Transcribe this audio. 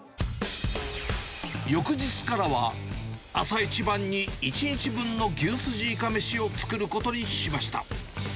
翌日からは、朝一番に１日分の牛筋いかめしを作ることにしました。